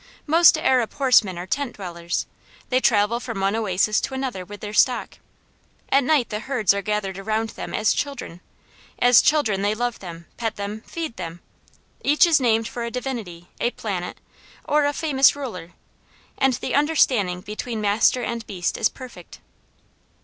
Most Arab horsemen are tent dwellers. They travel from one oasis to another with their stock. At night their herds are gathered around them as children. As children they love them, pet them, feed them. Each is named for a divinity, a planet or a famous ruler, and the understanding between master and beast is perfect.